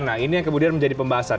nah ini yang kemudian menjadi pembahasan